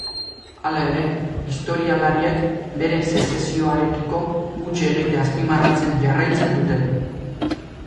Hala ere, historialariek bere sezesioarekiko huts egite azpimarratzen jarraitzen dute.